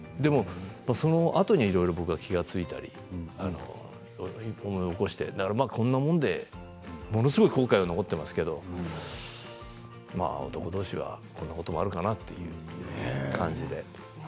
そのあとに僕が気付いたり思い起こしてものすごい後悔は残っていますけれど男同士は、こんなこともあるかなという感じで。